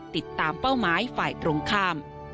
ติดตามเป้าหมายฝ่ายตรงข้าม